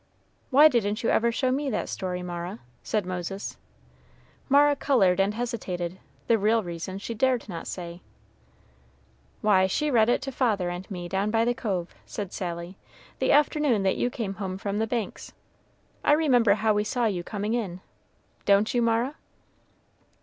"Why didn't you ever show me that story, Mara?" said Moses. Mara colored and hesitated; the real reason she dared not say. "Why, she read it to father and me down by the cove," said Sally, "the afternoon that you came home from the Banks; I remember how we saw you coming in; don't you, Mara?"